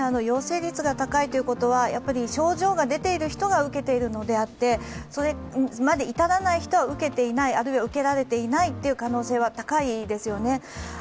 陽性率が高いということは症状が出ている人が受けているのであって、それまでに至らない人は受けていない、あるいは受けられていない可能性は高いですよね。